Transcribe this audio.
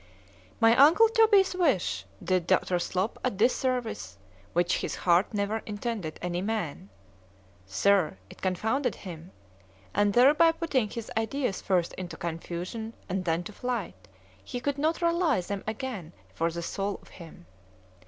My uncle Toby's wish did Dr. Slop a disservice which his heart never intended any man,—Sir, it confounded him——and thereby putting his ideas first into confusion, and then to flight, he could not rally them again for the soul of him.